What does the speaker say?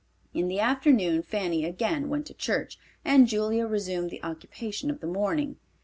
In the afternoon Fanny again went to church, and Julia resumed the occupation of the morning.